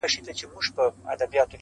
دا د تورزنو د خپلویو ځالۍ؛